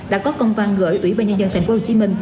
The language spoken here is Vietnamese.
đã có công văn gửi ủy ban nhân dân tp hcm